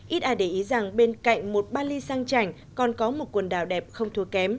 ít ai để ý rằng bên cạnh một bali sang trành còn có một quần đảo đẹp không thua kém